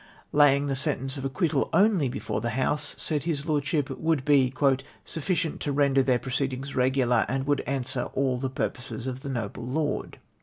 Laying the sentence of acquittal only before the House, said his lordship, would be " sufficient to render their proceedings regular, and would answer all the purposes of the noble lord."